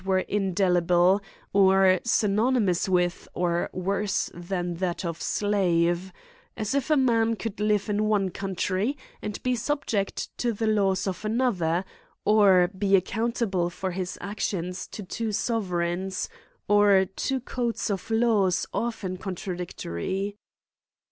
ere indelible, or synonymous with or worse than that of slave ; as if a man cotild live in one country and be subject to the laws of another, or be accountable for his actions to two sovereigns, or two codes of laws often contradic tory.